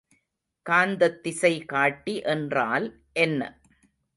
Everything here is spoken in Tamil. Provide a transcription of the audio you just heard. காந்தத் திசைகாட்டி என்றால் என்ன?